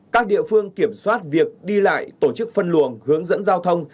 các địa phương kiểm soát việc đi lại tổ chức phân luồng hướng dẫn giao thông